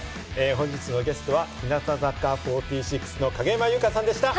本日のゲストは日向坂４６の影山優佳さんでした。